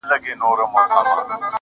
دغه دی ويې گوره دا لونگ ښه يمه